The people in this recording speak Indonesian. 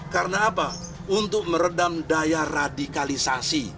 karena apa untuk meredam daya radikalisasi